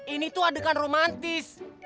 ini tuh adegan romantis